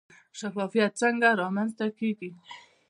شفافیت څنګه رامنځته کیږي؟